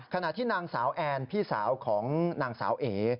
ขณะที่นางสาวแอนพี่สาวของนางสาวเอ